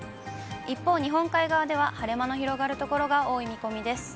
一方、日本海側では晴れ間の広がる所が多い見込みです。